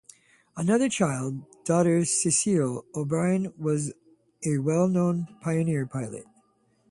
Another child, daughter Sicele O'Brien was a well known pioneer pilot.